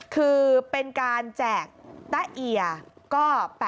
คือเป็นการแจกตะเอียก็๘๐